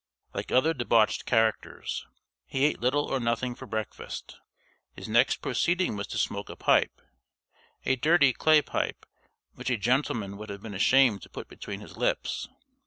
Like other debauched characters, he ate little or nothing for breakfast. His next proceeding was to smoke a pipe a dirty clay pipe, which a gentleman would have been ashamed to put between his lips.